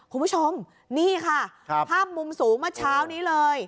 คุณผู้ชมนี่ค่ะภาพมุมสูงเมื่อเช้านี้เลย